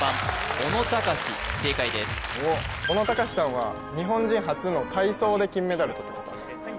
小野喬さんは日本人初の体操で金メダルとった方